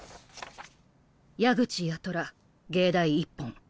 矢口八虎藝大一本。